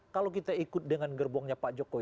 kalau kita ikut dengan gerbongnya pak jokowi